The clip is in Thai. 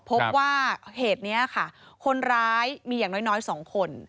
พบว่าเหตุนี้ค่ะคนร้ายมีอย่างน้อย๒คน